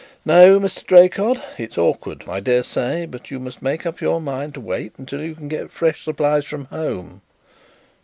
No, Mr. Draycott, it's awkward, I dare say, but you must make up your mind to wait until you can get fresh supplies from home.